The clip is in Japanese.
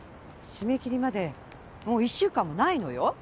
締め切りまでもう１週間もないのよ。